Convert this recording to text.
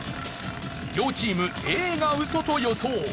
両チームＡがウソと予想。